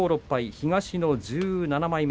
東の１７枚目。